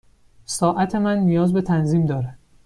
ساعت من نیاز به تنظیم دارد.